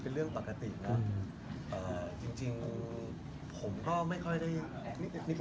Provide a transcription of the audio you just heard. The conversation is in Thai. เป็นห่วงยังไงบ้าง